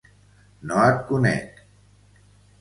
No et conec!